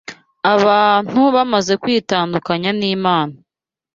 Abantu bamaze kwitandukanya n’Imana